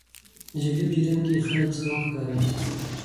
د جګړې په جریان کې خلک زغم ښکاره کوي.